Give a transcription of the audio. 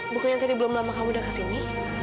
bukannya tadi belum lama kamu udah kesini